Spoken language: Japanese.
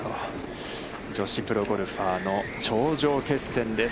女子プロゴルファーの頂上決戦です。